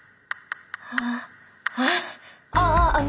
ああああ